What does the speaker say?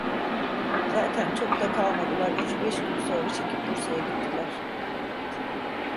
Zaten çok da kalmadılar, üç beş, gün sonra çekip Bursa'ya gittiler.